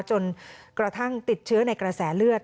จนกระทั่งติดเชื้อในกระแสเลือด